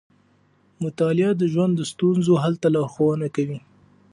مطالعه د ژوند د ستونزو حل ته لارښونه کوي.